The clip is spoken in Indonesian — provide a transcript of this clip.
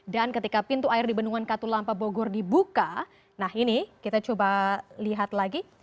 dan ketika pintu air di benungan katulampa bogor dibuka nah ini kita coba lihat lagi